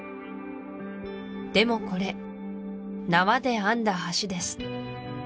でもこれ縄で編んだ橋です